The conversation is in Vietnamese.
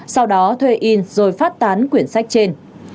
sau đó thuê in rồi phát tán quyển sách trên